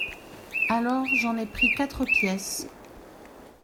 Alors, j’en ai pris quatre pièces…